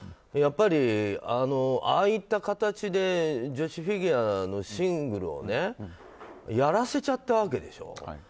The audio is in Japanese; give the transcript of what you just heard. やっぱり、ああいった形で女子フィギュアのシングルをねやらせちゃったわけでしょう。